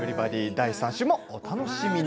第３週もお楽しみに。